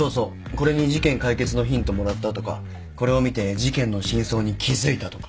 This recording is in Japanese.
これに事件解決のヒントもらったとかこれを見て事件の真相に気付いたとか。